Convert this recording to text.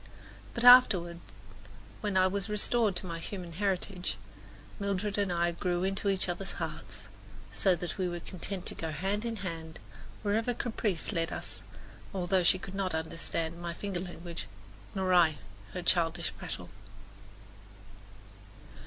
But afterward, when I was restored to my human heritage, Mildred and I grew into each other's hearts, so that we were content to go hand in hand wherever caprice led us, although she could not understand my finger language, nor I her childish prattle.